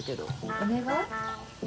お願い？